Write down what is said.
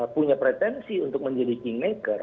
punya pretensi untuk menjadi kingmaker